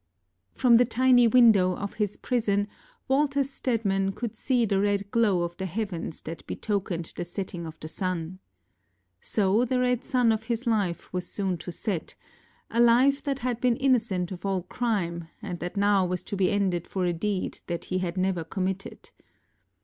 From the tiny window of his prison Walter Stedman could see the red glow of the heavens that betokened the setting of the sun. So the red sun of his life was soon to set, a life that had been innocent of all crime, and that now was to be ended for a deed that he had never committed.